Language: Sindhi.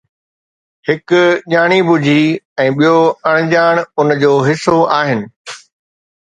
هڪ ڄاڻي ٻجهي ۽ ٻيو اڻڄاڻ ان جو حصو آهن.